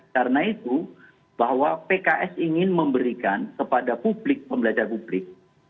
karena itu bahwa pks ingin memberikan kepada publik pembelajar publik